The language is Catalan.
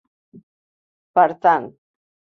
Per tant.